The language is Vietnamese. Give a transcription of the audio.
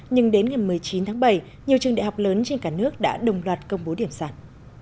nhưng đến ngày một mươi chín tháng bảy nhiều trường đại học lớn trên cả nước đã đồng loạt công bố điểm sàn